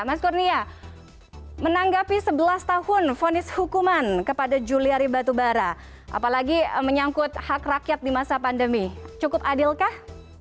mas kurnia menanggapi sebelas tahun fonis hukuman kepada juliari batubara apalagi menyangkut hak rakyat di masa pandemi cukup adil kah